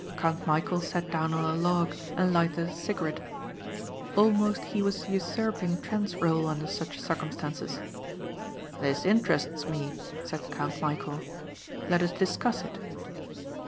Count Michæl sat down on a log and lighted a cigarette. Almost he was usurping Trent's rôle under such circumstances. "This interests me," said Count Michæl, "let us discuss it."